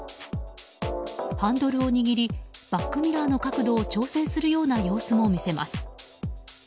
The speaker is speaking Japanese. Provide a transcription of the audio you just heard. ハンドルを握りバックミラーの角度を調整するような様子も見せます。